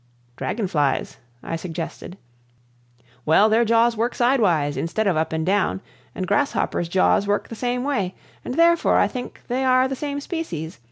"Dragon flies," I suggested. "Well, their jaws work sidewise, instead of up and down, and grasshoppers' jaws work the same way, and therefore I think they are the same species.